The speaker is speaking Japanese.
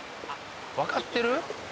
わかってる？